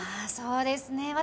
そうですね